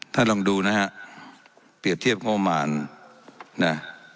ท่านลองดูนะฮะเปรียบเทียบงบมารนะ